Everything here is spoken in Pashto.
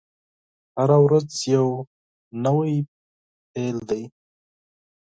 هره ورځ یوه نوې پیل دی.